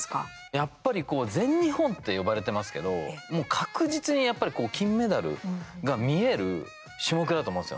やっぱり全日本って呼ばれてますけど確実に、やっぱり金メダルが見える種目だと思うんですよ